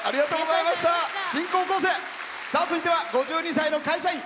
続いては５２歳の会社員。